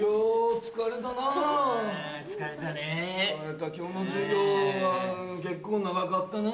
疲れた今日の授業は結構長かったなぁ。